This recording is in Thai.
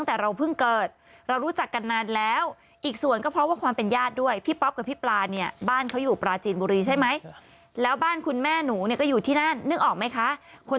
หรือว่าจริงก่อนหน้านี้จริงเหมือนเขาก็คบกัน